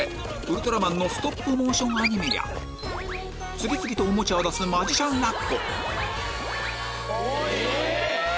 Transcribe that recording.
ウルトラマンのストップモーションアニメや次々とオモチャを出すマジシャンラッコえ！